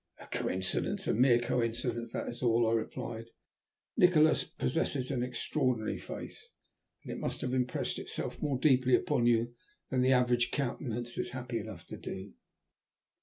"A coincidence, a mere coincidence, that is all," I replied. "Nikola possesses an extraordinary face, and it must have impressed itself more deeply upon you than the average countenance is happy enough to do."